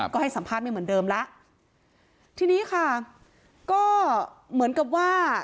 ก็ให้สัมภาษณ์ไม่เหมือนเดิมแล้วทีนี้ค่ะก็เหมือนกับว่า